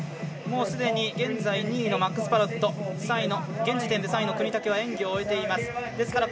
すでに現在２位のマックス・パロット現時点で３位の國武は演技を終えています。